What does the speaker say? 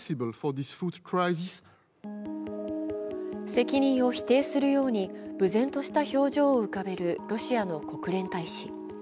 責任を否定するように、憮然とした表情を浮かべるロシアの国連大使。